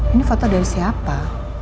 ini foto dari siapa